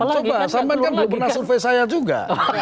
coba sampai kan belum pernah survei saya juga